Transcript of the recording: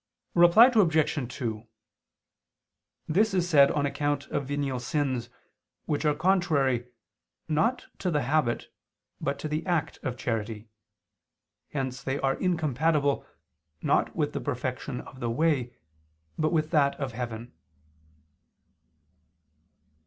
Reply Obj. 2: This is said on account of venial sins, which are contrary, not to the habit, but to the act of charity: hence they are incompatible, not with the perfection of the way, but with that of heaven.